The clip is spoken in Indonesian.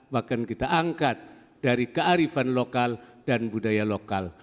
bahkan kita angkat dari kearifan lokal dan budaya lokal